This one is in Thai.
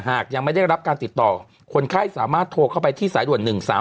หากยังไม่ได้รับการติดต่อคนไข้สามารถโทรเข้าไปที่สายด่วน๑๓๓